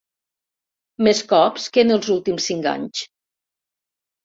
Més cops que en els últims cinc anys.